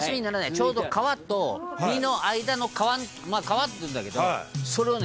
「ちょうど皮と身の間の皮まあ皮っていうんだけどそれをね